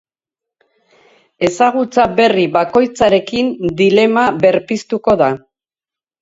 Ezagutza berri bakoitzarekin dilema berpiztuko da.